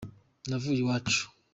navuye iwacu.